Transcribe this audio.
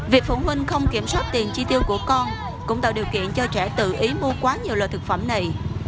việc phụ huynh không kiểm soát tiền chi tiêu của con cũng tạo điều kiện cho trẻ tự ý mua quá nhiều loại thực phẩm này